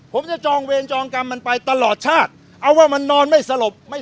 ผมจะจองเวรจองกรรมมันไปตลอดชาติเอาว่ามันนอนไม่สลบไม่